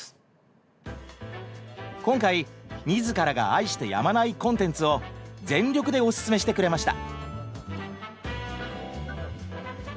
今回自らが愛してやまないコンテンツを全力でおススメしてくれました。